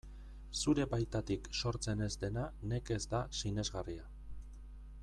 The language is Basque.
Zure baitatik sortzen ez dena nekez da sinesgarria.